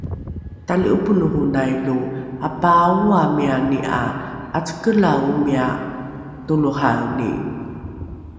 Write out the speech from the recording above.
tali’oponohonai lo “apaaoa” miani ’a ’acakelae omia toloraeni